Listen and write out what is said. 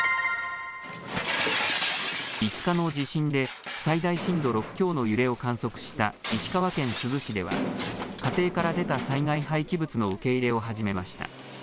５日の地震で、最大震度６強の揺れを観測した石川県珠洲市では、家庭から出た災害廃棄物の受け入れを始めました。